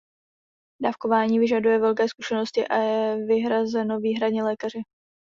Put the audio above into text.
Dávkování vyžaduje velké zkušenosti a je vyhrazeno výhradně lékaři.